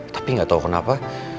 tapi nggak tahu kenapa